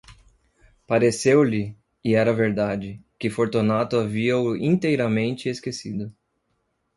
Pareceu-lhe, e era verdade, que Fortunato havia-o inteiramente esquecido.